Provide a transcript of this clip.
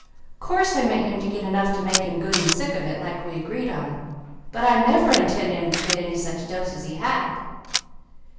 "Course I meant him to get enough to make him good and sick of it, like we agreed on; but I never intended him to get any such a dose as he had."